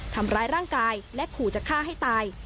ทำร้ายร่างกายและขู่จะฆ่าให้ตาย